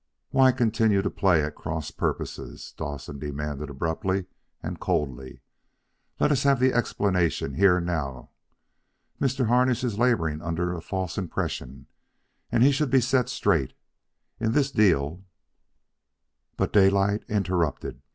"Why continue to play at cross purposes?" Dowsett demanded abruptly and coldly. "Let us have the explanation here and now. Mr. Harnish is laboring under a false impression, and he should be set straight. In this deal " But Daylight interrupted.